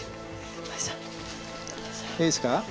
いいですか？